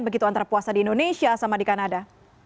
begitu antara puasa di indonesia sama di kanada